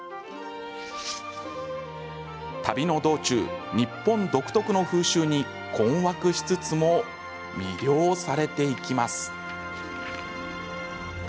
旅の道中、日本独特の風習に困惑しつつも魅了されていきます。